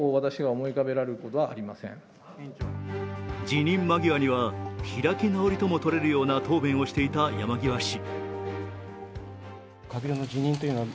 辞任間際には、開き直りともとれる答弁をしていた山際氏。